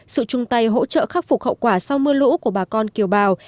sự chung tay hỗ trợ khắc phục hậu quả sau mưa lũ của bà con kiều bào